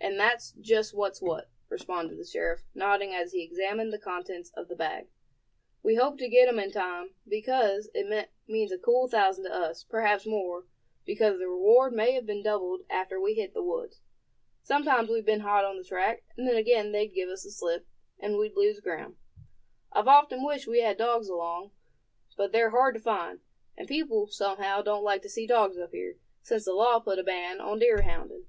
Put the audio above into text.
"And that's just what's what," responded the sheriff, nodding as he examined the contents of the bag. "We hope to get 'em in time, because it means a cool thousand to us, perhaps more, because the reward may have been doubled after we hit the woods. Sometimes we've been hot on the track, and then again they'd give us the slip, and we'd lose ground. I've often wished we had dogs along; but they're hard to find; and people, somehow, don't like to see dogs up here, since the law put a ban on deer hounding."